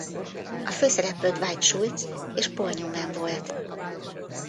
A főszereplő Dwight Schultz és Paul Newman volt.